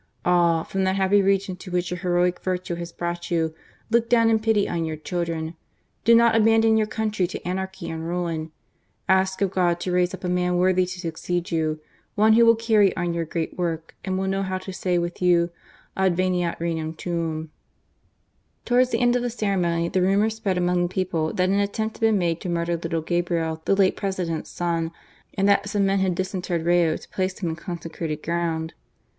Ah! from that happy region to which your heroic virtue has brought you, look down in pity on your children ! Do not abandon your country to anarchy and ruin ! Ask of God to raise up a man worthy to succeed you, one who will carry on your great work and will know how to say, with you, Adveniat rcgnum tuum." Towards the end of the ceremonj the rumour spread among the people that an attempt had been made to murder little Gabriel, the late President's son, and that some men had disinterred Rayo to place him in consecrated ground.